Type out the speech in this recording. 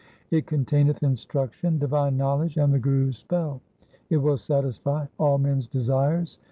It con taineth instruction, divine knowledge, and the Guru's spell. It will satisfy all men's desires.